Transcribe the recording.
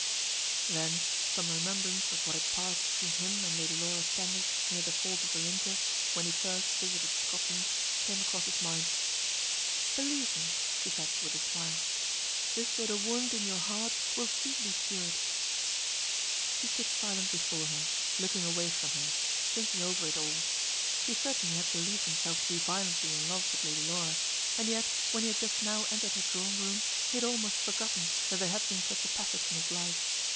Then some remembrance of what had passed between him and Lady Laura Standish near the falls of the Linter, when he first visited Scotland, came across his mind. "Believe me," she said with a smile, "this little wound in your heart will soon be cured." He stood silent before her, looking away from her, thinking over it all. He certainly had believed himself to be violently in love with Lady Laura, and yet when he had just now entered her drawing room, he had almost forgotten that there had been such a passage in his life.